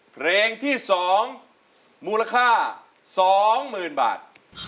เพลงที่๒มูลค่า๒๐๐๐บาท